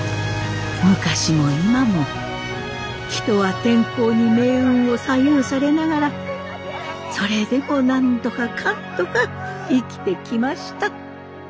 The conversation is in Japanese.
昔も今も人は天候に命運を左右されながらそれでもなんとかかんとか生きてきました。